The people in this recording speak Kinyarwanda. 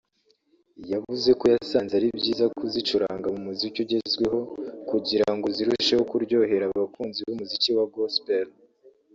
yavuze ko yasanze ari byiza kuzicuranga mu muziki ugezweho kugira ngo zirusheho kuryohera abakunzi b’umuziki wa Gospel